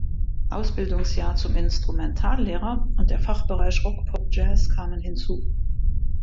Ausbildungsjahr zum Instrumentallehrer und der Fachbereich Rock-Pop-Jazz kamen hinzu.